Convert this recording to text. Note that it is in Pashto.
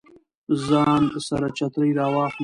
ځان سره چترۍ راواخله